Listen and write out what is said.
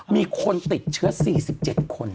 มีคนติดเชื้อ๔๗คน